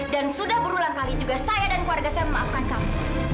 dan sudah berulang kali juga saya dan keluarga saya memaafkan kamu